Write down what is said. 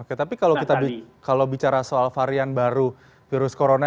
oke tapi kalau bicara soal varian baru virus corona